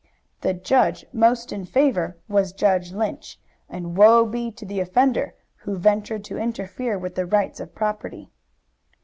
The judge most in favor was Judge Lynch, and woe be to the offender who ventured to interfere with the rights of property.